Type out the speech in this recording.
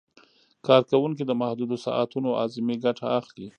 کارکوونکي د محدودو ساعتونو اعظمي ګټه اخلي.